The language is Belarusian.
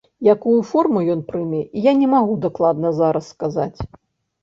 Якую форму ён прыме, я не магу дакладна зараз сказаць.